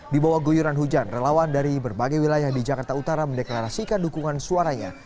di bawah guyuran hujan relawan dari berbagai wilayah di jakarta utara mendeklarasikan dukungan suaranya